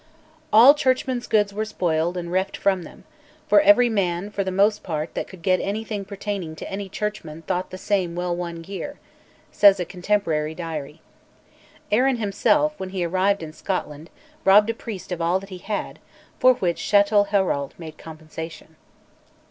"All churchmen's goods were spoiled and reft from them ... for every man for the most part that could get anything pertaining to any churchmen thought the same well won gear," says a contemporary Diary. Arran himself, when he arrived in Scotland, robbed a priest of all that he had, for which Chatelherault made compensation.